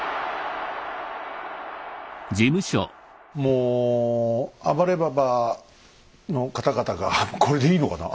もう暴れババの方々がこれでいいのかな。